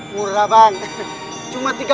murah bang cuma tiga puluh rupiah